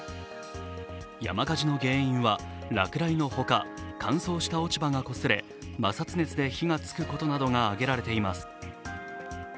山火事の原因は落雷のほか、乾燥した落ち葉がこすれ、摩擦熱で火が付くことなどが挙げられています